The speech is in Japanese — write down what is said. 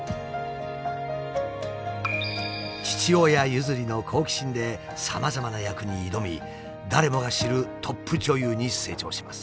父親譲りの好奇心でさまざまな役に挑み誰もが知るトップ女優に成長します。